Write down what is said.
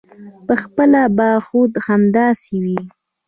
پخپله به خود همداسې وي.